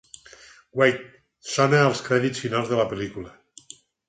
"Wait" sona als crèdits finals de la pel·lícula.